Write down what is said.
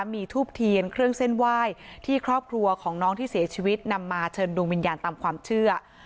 มีทูบเทียนเครื่องเส้นไหว้ที่ครอบครัวของน้องที่เสียชีวิตนำมาเชิญดวงวิญญาณตามความเชื่อ